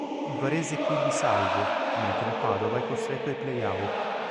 Il Varese è quindi salvo, mentre il Padova è costretto ai play-out.